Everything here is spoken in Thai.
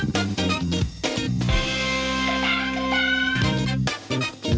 สวัสดีครับ